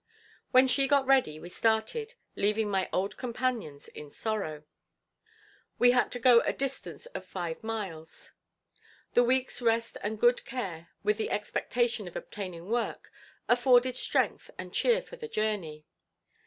When she got ready we started, leaving my old companions in sorrow. We had to go a distance of five miles. The week's rest and good care, with the expectation of obtaining work afforded strength and cheer for the journey.